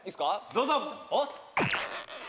「どうぞ！」